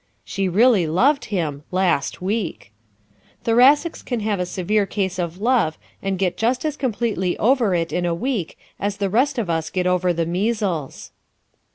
She really loved him last week! Thoracics can have a severe case of love, and get just as completely over it in a week as the rest of us get over the measles.